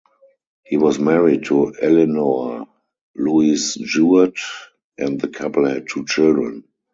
He was married to Eleanor Louise Jewett and the couple had two children.